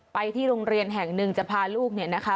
ไปที่โรงเรียนแห่งหนึ่งจะพาลูกเนี่ยนะคะ